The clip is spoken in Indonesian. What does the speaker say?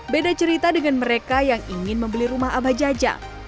beda cerita dengan mereka yang ingin membeli rumah abah jajang